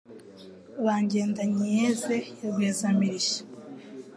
Ba Ngendany-iyeze* ya Rweza-mirishyo*,